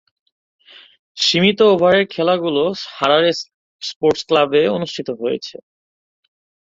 সীমিত ওভারের খেলাগুলো হারারে স্পোর্টস ক্লাবে অনুষ্ঠিত হয়েছে।